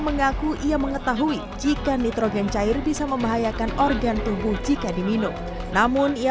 mengaku ia mengetahui jika nitrogen cair bisa membahayakan organ tubuh jika diminum namun ia